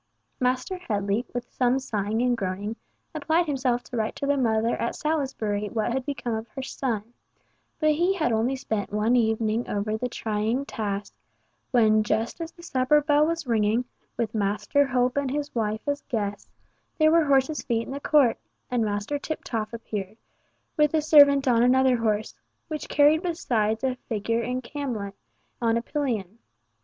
Master Headley, with some sighing and groaning, applied himself to write to the mother at Salisbury what had become of her son; but he had only spent one evening over the trying task, when just as the supper bell was ringing, with Master Hope and his wife as guests, there were horses' feet in the court, and Master Tiptoff appeared, with a servant on another horse, which carried besides a figure in camlet, on a pillion.